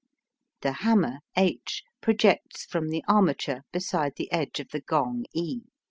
The hammer H projects from the armature beside the edge of the gong E.